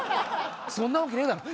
そんなわけねえだろ！